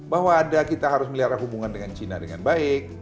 bahwa ada kita harus melihara hubungan dengan cina dengan baik